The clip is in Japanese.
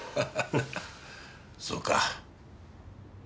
そうか。